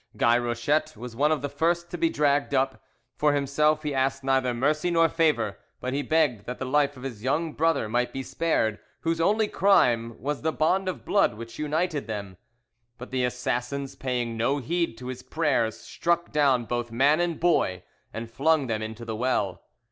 Guy Rochette was one of the first to be dragged up. For himself he asked neither mercy nor favour, but he begged that the life of his young brother might be spared, whose only crime was the bond of blood which united them; but the assassins, paying no heed to his prayers, struck down both man and boy and flung them into the well.